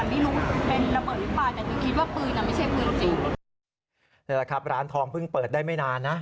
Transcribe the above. นี่แหละครับร้านทองเพิ่งเปิดได้ไม่นานนะ